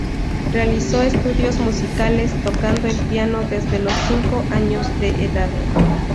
Realizó estudios musicales tocando el piano desde los cinco años de edad.